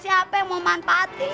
siapa yang mau manfaatin